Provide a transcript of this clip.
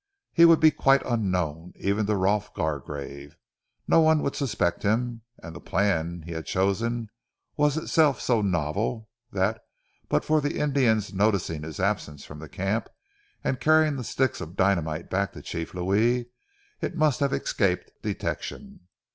He would be quite unknown even to Rolf Gargrave. No one would suspect him, and the plan he had chosen was itself so novel, that but for the Indians noticing his absence from the camp, and carrying the sticks of dynamite back to Chief Louis, it must have escaped detection.